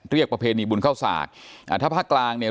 เรียกประเพณีบุญเข้าศาสตร์อ่าถ้าภาคกลางเนี่ย